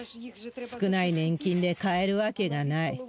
少ない年金で買えるわけがない。